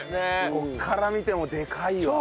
ここから見てもでかいわ。